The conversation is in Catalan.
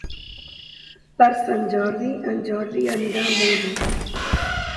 Per Sant Jordi en Jordi anirà a Muro.